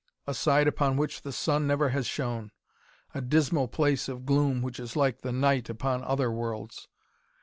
A side upon which the sun never has shone. A dismal place of gloom, which is like the night upon other worlds.